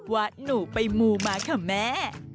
ว่าหนูไปมูมาค่ะแม่